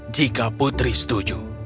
jika putri setuju